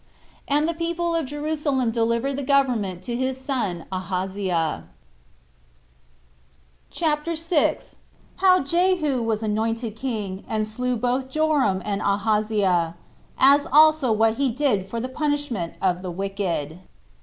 And the people of Jerusalem delivered the government to his son Ahaziah. CHAPTER 6. How Jehu Was Anointed King, And Slew Both Joram And Ahaziah; As Also What He Did For The Punishment Of The Wicked.